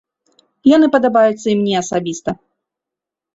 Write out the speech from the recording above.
Яны падабаюцца і мне асабіста.